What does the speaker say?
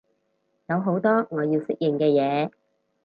有好多我要適應嘅嘢